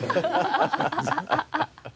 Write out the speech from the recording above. アハハハ。